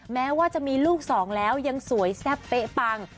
แม้ว่าจะมีลูกสองแล้วยังสวยแซ่บเป๊ะปัง